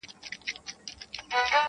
• له باوړیه اوبه نه سي را ایستلای -